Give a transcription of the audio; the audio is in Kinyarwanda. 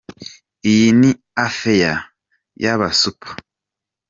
Iyi ni affare y’ aba Super.